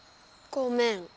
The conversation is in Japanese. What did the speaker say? ごめん。